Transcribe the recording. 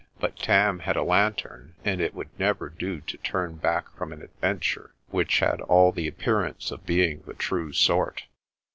But Tam had a lantern, and it would never do to turn back from an adven ture which had all the appearance of being the true sort.